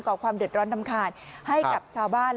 ความเดือดร้อนรำคาญให้กับชาวบ้าน